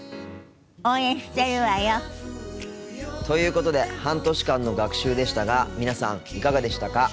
応援してるわよ。ということで半年間の学習でしたが皆さんいかがでしたか？